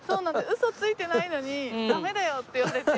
ウソついてないのにダメだよって言われて。